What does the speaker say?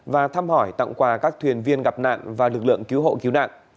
và thăm hỏi tặng quà các thuyền viên gặp nạn và lực lượng cứu hộ cứu nạn